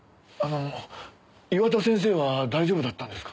あの岩田先生は大丈夫だったんですか？